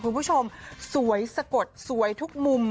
คุณผู้ชมสวยสะกดสวยทุกมุม